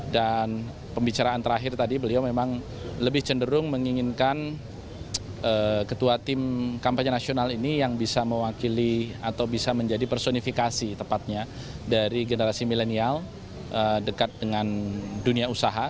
pembicaraan terakhir tadi beliau memang lebih cenderung menginginkan ketua tim kampanye nasional ini yang bisa mewakili atau bisa menjadi personifikasi tepatnya dari generasi milenial dekat dengan dunia usaha